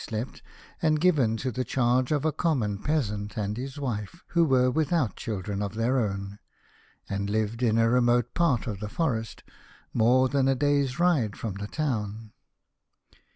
slept, and given into the charge of a common peasant and his wife, who were without chil dren of their own, and lived in a remote part of the forest, more than a day's ride from the town.